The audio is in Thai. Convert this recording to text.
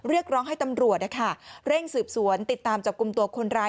เรียกร้องให้ตำรวจเร่งสืบสวนติดตามจับกลุ่มตัวคนร้าย